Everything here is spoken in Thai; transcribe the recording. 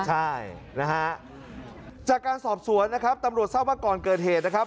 ใช่นะฮะจากการสอบสวนนะครับตำรวจทราบว่าก่อนเกิดเหตุนะครับ